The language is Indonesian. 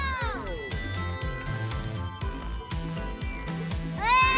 masuk pak eko